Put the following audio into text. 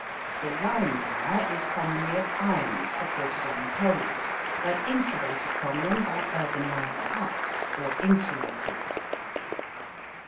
The line wire is commonly of iron supported on poles, but insulated from them by earthenware "cups" or insulators.